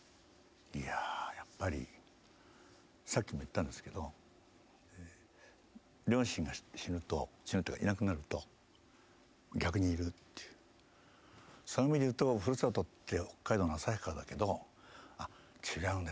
いややっぱりさっきも言ったんですけど両親が死ぬと死ぬというかいなくなると逆にいるというそういう意味でいうとふるさとって北海道の旭川だけどあっ違うんだ